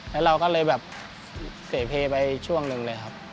แล้วเราก็เหลือเผยไปช่วงหนึ่งเลยครับ